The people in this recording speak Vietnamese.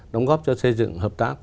đóng góp cho xây dựng hợp tác